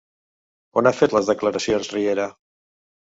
On ha fet les declaracions Riera?